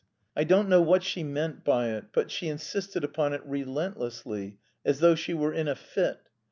I don't know what she meant by it; but she insisted upon it relentlessly, as though she were in a fit.